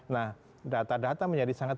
nah data data menjadi sangat